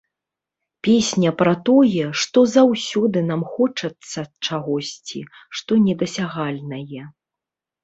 Песня пра тое, што заўсёды нам хочацца чагосьці, што недасягальнае.